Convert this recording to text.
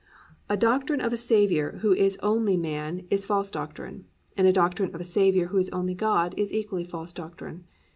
A doctrine of a Saviour who is only man is false doctrine; and a doctrine of a Saviour who is only God is equally false doctrine.